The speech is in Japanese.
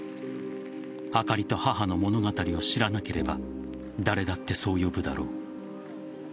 あかりと母の物語を知らなければ誰だってそう呼ぶだろう。